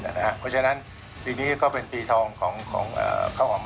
เพราะฉะนั้นปีนี้ก็เป็นปีทองของข้าวหอม